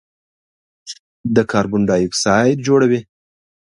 د کاربن ډای اکسایډ جوړوي.